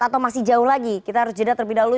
atau masih jauh lagi kita harus jadilah terpindah dulu